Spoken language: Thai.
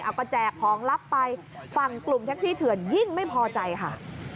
เอาก็แจกของลับไปฝั่งกลุ่มแท็กซี่เถื่อนยิ่งไม่พอใจค่ะ